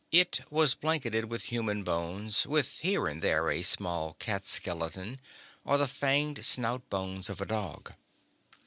It was blanketed with human bones, with here and there a small cat skeleton or the fanged snout bones of a dog.